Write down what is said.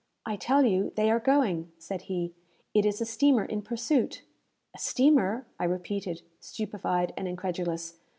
"I tell you, they are going," said he. "It is a steamer in pursuit." "A steamer!" I repeated, stupefied and incredulous.